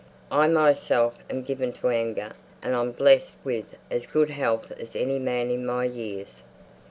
I myself am given to anger; and I'm blessed with as good health as any man in my years.